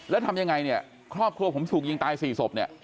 แล้วทำยังไงเนี่ยครอบครัวผมถูกยิงตาย๔ศพเนี่ย